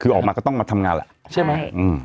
คือออกมาก็ต้องมาทำงานแหละใช่ไหม